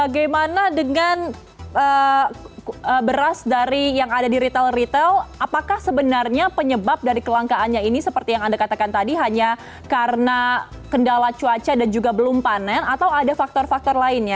karena dengan beras dari yang ada di retail retail apakah sebenarnya penyebab dari kelangkaannya ini seperti yang anda katakan tadi hanya karena kendala cuaca dan juga belum panen atau ada faktor faktor lainnya